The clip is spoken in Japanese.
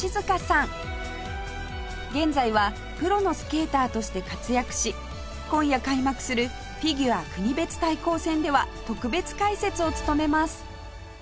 現在はプロのスケーターとして活躍し今夜開幕するフィギュア国別対抗戦では特別解説を務めます